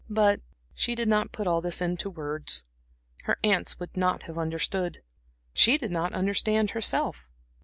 But she did not put all this into words. Her aunts would not have understood. She did not understand herself.